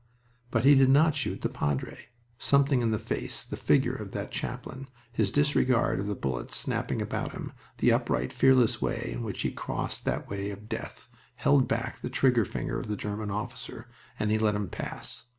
But he did not shoot the padre. Something in the face and figure of that chaplain, his disregard of the bullets snapping about him, the upright, fearless way in which he crossed that way of death, held back the trigger finger of the German officer and he let him pass.